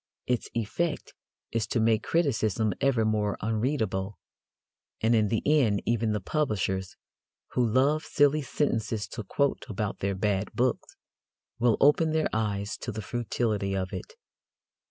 Its effect is to make criticism ever more unreadable, and in the end even the publishers, who love silly sentences to quote about their bad books, will open their eyes to the futility of it.